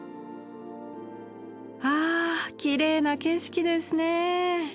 あきれいな景色ですね。